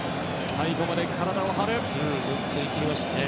最後まで体を張る。